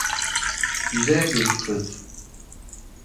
Güzel bir kız.